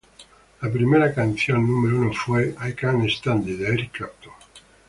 La primera canción número uno fue "I Can't Stand It" de Eric Clapton.